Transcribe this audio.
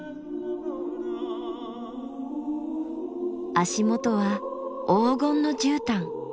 足元は黄金のじゅうたん。